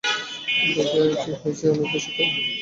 দেখো -কি হয়েছে, - অনেক বেশি তেল।